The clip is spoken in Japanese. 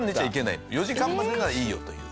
４時間までならいいよという。